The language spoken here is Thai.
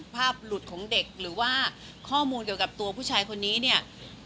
ภาพหลุดของเด็กหรือว่าข้อมูลเกี่ยวกับตัวผู้ชายคนนี้เนี่ย